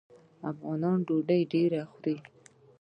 افغانان ډوډۍ ډیره خوري.